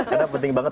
karena penting banget